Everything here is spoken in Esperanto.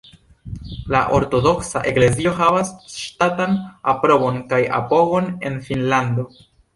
La ortodoksa eklezio havas ŝtatan aprobon kaj apogon en Finnlando.